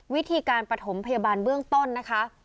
วิธีการปฐมพยาบาลเบื้องต้นนะคะ